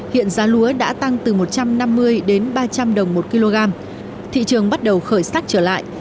hiện giá lúa đã tăng từ một trăm năm mươi đến ba trăm linh đồng một kg thị trường bắt đầu khởi sắc trở lại